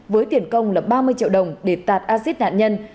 với tiền công là ba mươi triệu đồng để tạt acid nạn nhân